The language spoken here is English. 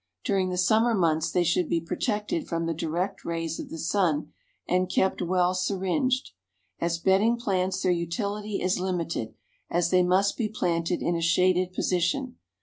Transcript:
During the summer months they should be protected from the direct rays of the sun, and kept well syringed. As bedding plants their utility is limited, as they must be planted in a shaded position.